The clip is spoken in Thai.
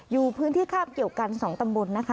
อยู่พื้นที่คาบเกี่ยวกัน๒ตำบลนะคะ